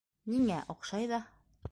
- Ниңә, оҡшай ҙа...